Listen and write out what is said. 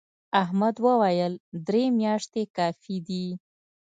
احمد وويل: درې میاشتې کافي دي.